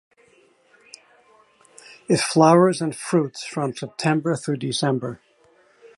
It flowers and fruits from September through December.